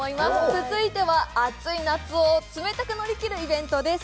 続いては暑い夏を冷たく乗り切るイベントです